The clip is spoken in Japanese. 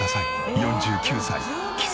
４９歳。